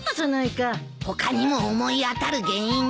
他にも思い当たる原因があるんだよ。